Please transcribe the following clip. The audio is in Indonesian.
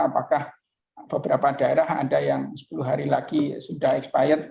apakah beberapa daerah ada yang sepuluh hari lagi sudah expired